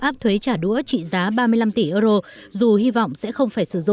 áp thuế trả đũa trị giá ba mươi năm tỷ euro